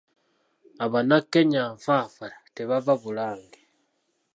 Abannakenya nfaafa tebava Bulange.